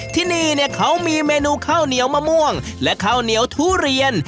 ที่นี่เนี่ยเขามีเมนูข้าวเหนียวมะม่วงและข้าวเหนียวทุเรียน